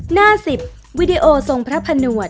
หน้า๑๐วิดีโอทรงพระผนวด